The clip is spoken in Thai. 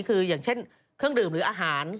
คืออย่างเช่นเครื่องดื่มหรืออาหาร